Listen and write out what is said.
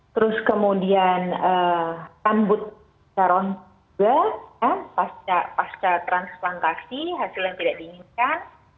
terus kemudian rambut saron juga pasca transplantasi hasil yang tidak diinginkan